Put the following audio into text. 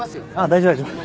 大丈夫大丈夫。